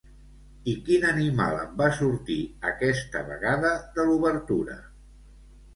I quin animal en va sortir, aquesta vegada, de l'obertura?